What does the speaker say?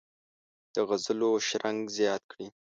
د غزلو شرنګ زیات کړي.